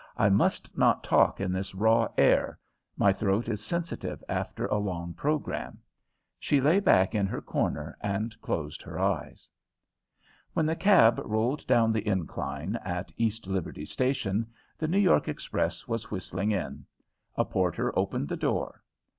I must not talk in this raw air. My throat is sensitive after a long program." She lay back in her corner and closed her eyes. When the cab rolled down the incline at East Liberty station, the New York express was whistling in. A porter opened the door.